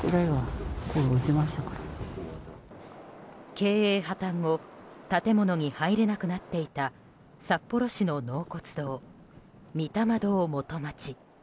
経営破綻後建物に入れなくなっていた札幌市の納骨堂、御霊堂元町。